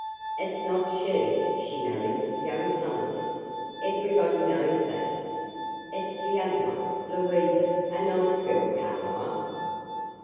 "It's not she; she marries young Somerset; everybody knows that. It's the other one, Louisa. A nice girl, Carlyle."